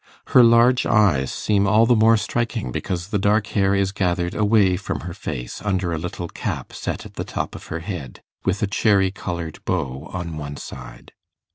Her large eyes seem all the more striking because the dark hair is gathered away from her face, under a little cap set at the top of her head, with a cherry coloured bow on one side.